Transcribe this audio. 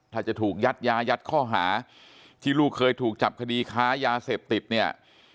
ถ้าจะถูกยัดยายัดข้อหาที่ลูกเคยถูกจับคดีค้ายาเสพติดเนี่ย